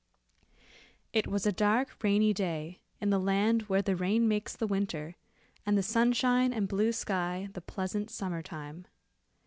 It was a dark rainy day in the land where the rain makes the winter, and the sunshine and blue sky the pleasant summer time.